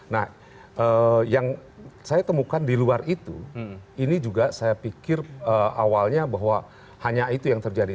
nah yang saya temukan di luar itu ini juga saya pikir awalnya bahwa hanya itu yang terjadi